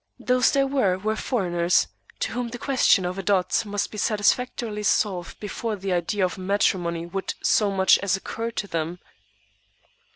Those there were, were foreigners, to whom the question of a dot must be satisfactorily solved before the idea of matrimony would so much as occur to them.